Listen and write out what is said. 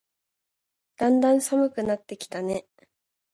だんだん寒くなってきたね。